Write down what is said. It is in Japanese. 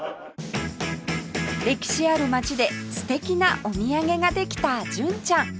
歴史ある町で素敵なお土産ができた純ちゃん